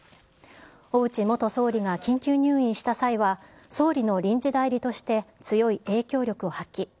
小渕元総理が緊急入院した際には総理の臨時代理として、強い影響力を発揮。